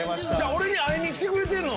俺に会いに来てくれてんの？